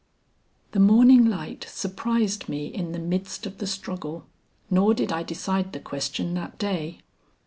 The morning light surprised me in the midst of the struggle, nor did I decide the question that day.